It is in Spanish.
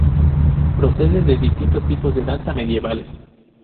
Procede de distintos tipos de danza medievales.